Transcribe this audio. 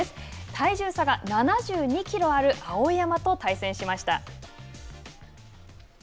体重差が７２キロある碧山と対戦しました。